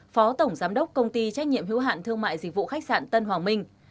phó tổng giám đốc công ty trách nhiệm hữu hạn thương mại dịch vụ khách sạn tân hoàng minh